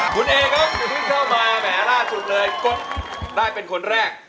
คุณเอครับอย่าเพิ่งเข้ามาแหมล่าสุดเลยกดได้เป็นคนแรก